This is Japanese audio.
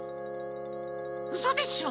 うそでしょ？